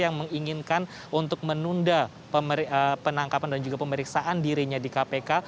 yang menginginkan untuk menunda penangkapan dan juga pemeriksaan dirinya di kpk